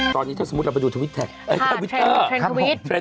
ตอนนี้ถ้าสมมติเราไปดูทวิทย์แท็กค่ะทวิทย์เทรนด์ทวิทย์